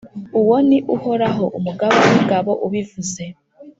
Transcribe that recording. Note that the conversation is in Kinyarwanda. uwo ni uhoraho, umugaba w’ingabo ubivuze.